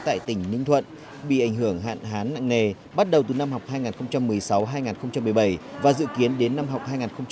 tại tỉnh ninh thuận bị ảnh hưởng hạn hán nặng nề bắt đầu từ năm học hai nghìn một mươi sáu hai nghìn một mươi bảy và dự kiến đến năm học hai nghìn hai mươi hai nghìn hai mươi